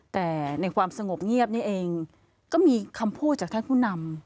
แต่ในความสงบเงียบนี่เองก็มีคำพูดจากท่านผู้นำ